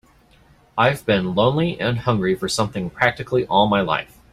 I've been lonely and hungry for something practically all my life.